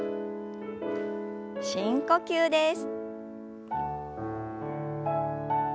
深呼吸です。